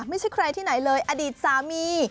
ไม่ใช่ใครที่ไหนเลยอดีตสามี